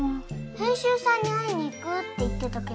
編集さんに会いに行くって言ってたけど。